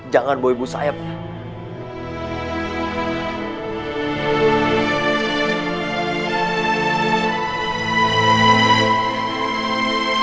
jangan bawa ibu saya pak